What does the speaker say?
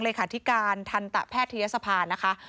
เลขาธิการทันตแพทย์ธิริยสภารนะคะ